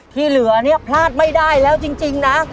ที่เหลือเนี่ยพลาดไม่ได้แล้วจริงนะ